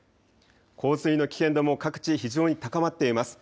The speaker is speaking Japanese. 洪水の危険度も各地非常に高まっています。